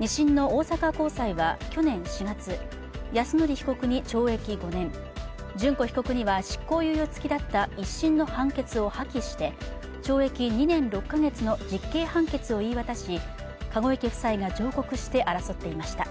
２審の大阪高裁は去年４月泰典被告に懲役５年、諄子被告には執行猶予付きだった１審の判決を破棄して懲役２年６か月の実刑判決を言い渡し、籠池夫妻が上告して争っていました。